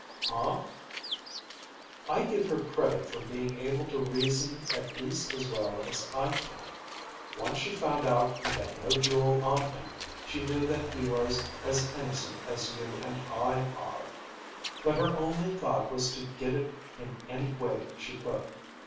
"Huh?" "I give her credit for being able to reason at least as well as I can. Once she found out he had no jewel on him, she knew that he was as innocent as you and I are. But her only thought was to get it in any way she could.